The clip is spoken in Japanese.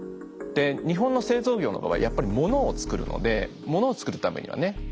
で日本の製造業の場合やっぱりものをつくるのでものをつくるためにはね